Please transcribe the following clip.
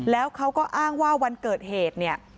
แล้วเขาก็อ้างว่าวันเกิดเหตุเนี่ย